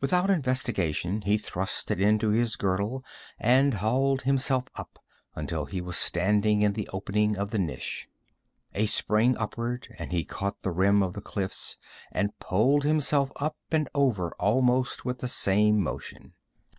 Without investigation he thrust it into his girdle and hauled himself up until he was standing in the opening of the niche. A spring upward and he caught the rim of the cliffs and pulled himself up and over almost with the same motion.